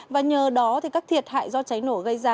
và nhờ đó các thiệt hại do cháy nổ gây ra